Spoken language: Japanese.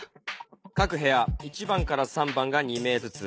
各部屋１番から３番が２名ずつ。